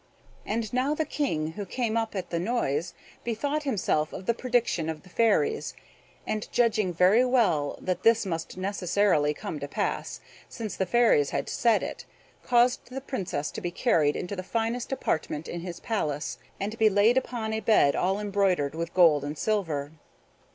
And now the King, who came up at the noise, bethought himself of the prediction of the fairies, and, judging very well that this must necessarily come to pass, since the fairies had said it, caused the Princess to be carried into the finest apartment in his palace, and to be laid upon a bed all embroidered with gold and silver.